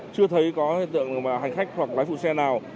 chưa thấy có hành khách hoặc lái phụ xe nào